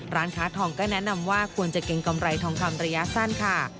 ร้านค้าทองก็แนะนำว่าควรจะเกรงกำไรทองคำระยะสั้นค่ะ